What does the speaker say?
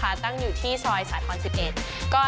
เอาล่ะเดินทางมาถึงในช่วงไฮไลท์ของตลอดกินในวันนี้แล้วนะครับ